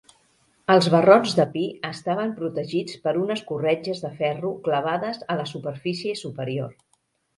Els barrots de pi estaven protegits per unes corretges de ferro clavades a la superfície superior.